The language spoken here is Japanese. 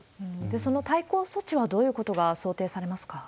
その対抗措置はどういうことが想定されますか？